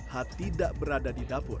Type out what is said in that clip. hat tidak berada di dapur